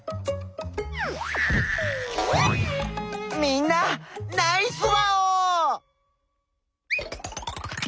みんなナイスワオー！